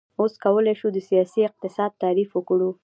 اوس کولی شو د سیاسي اقتصاد تعریف وکړو.